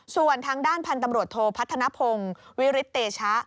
ส่วนทางด้านพันธุ์ตำรวจโทพัฒนภงวิริตเตชะ